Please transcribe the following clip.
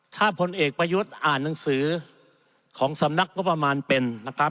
ถ้าพลเอกประยุทธ์อ่านหนังสือของสำนักงบประมาณเป็นนะครับ